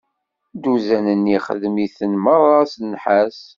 Dduzan-nni ixdem-iten meṛṛa s nnḥas.